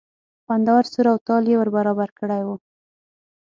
خوندور سور و تال یې ور برابر کړی و.